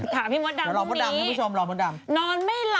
เดี๋ยวขำมดดำให้ผู้ชม